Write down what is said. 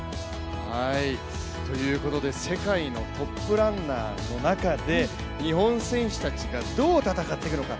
世界のトップランナーの中で日本選手たちがどう戦っていくのか。